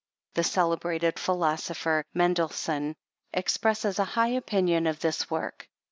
The celebrated philosopher, Mendelsohn, expresses a PREFACE. VII high opinion of this work.